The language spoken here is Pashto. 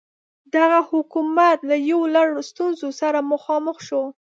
دغه حکومت له یو لړ ستونزو سره مخامخ شو.